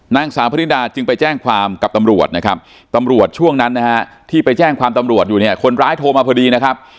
นางสาวพระนิดาจึงไปแจ้งความกับตำรวจนะครับตำรวจช่วงนั้นนะฮะที่ไปแจ้งความตำรวจอยู่เนี่ยคนร้ายโทรมาพอดีนะครับ